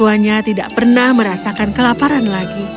moli dan orang tuanya tidak pernah merasakan kelaparan lagi